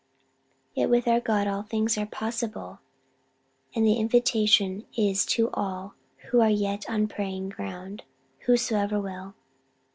"Yet with our God all things are possible, and the invitation is to all who are yet on praying ground; 'Whosoever will.'"